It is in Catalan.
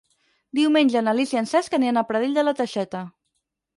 Diumenge na Lis i en Cesc aniran a Pradell de la Teixeta.